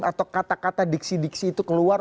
atau kata kata diksi diksi itu keluar